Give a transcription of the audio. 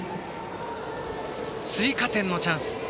追加点のチャンス。